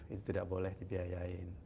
itu tidak boleh dibiayai